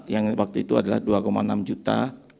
yang waktu itu adalah dua enam juta